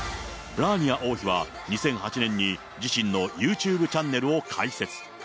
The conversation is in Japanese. ラーニア王妃は、２００８年に自身のユーチューブチャンネルを開設。